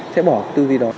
sẽ bỏ tư duy đó